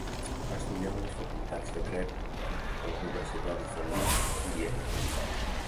Va estudiar en les Facultats de Dret de les Universitats de Lviv i Viena.